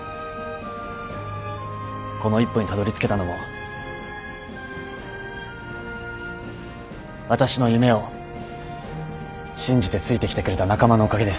この一歩にたどりつけたのも私の夢を信じてついてきてくれた仲間のおかげです。